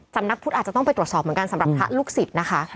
สำนักพุทธอาจจะต้องไปตรวจสอบเหมือนกันสำหรับพระลูกศิษย์นะคะ